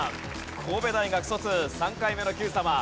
神戸大学卒３回目の『Ｑさま！！』。